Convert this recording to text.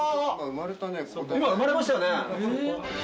今生まれましたよね！